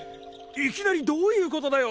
いきなりどういうことだよ？